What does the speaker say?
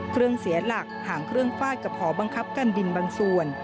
เครื่องเสียหลักหางเครื่องฟาดกับหอบังคับการบินบางส่วน